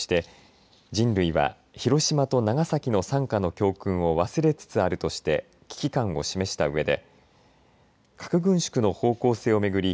そして、人類は広島と長崎の惨禍の教訓を忘れつつあるとして危機感を示したうえで核軍縮の方向性を巡り